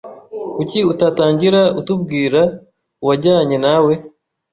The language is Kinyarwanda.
Kuki utatangira utubwira uwajyanye nawe?